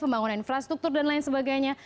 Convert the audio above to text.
pembangunan infrastruktur dan lain sebagainya